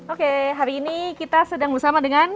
oke hari ini kita sedang bersama dengan